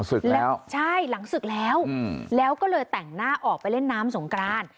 ศึกแล้วใช่หลังศึกแล้วแล้วก็เลยแต่งหน้าออกไปเล่นน้ำสงกราน